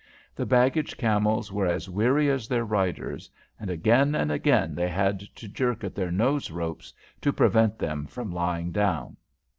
The baggage camels were as weary as their riders, and again and again they had to jerk at their nose ropes to prevent them from lying down.